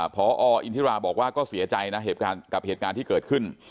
พออินทิราบอกว่าก็เสียใจนะเหตุการณ์กับเหตุการณ์ที่เกิดขึ้น